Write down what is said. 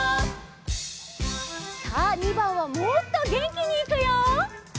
さあ２ばんはもっとげんきにいくよ！